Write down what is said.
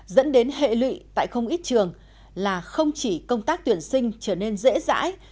dẫn đến hệ lụy tại không ít trường là không chỉ công tác tuyển sinh trở nên dễ dãi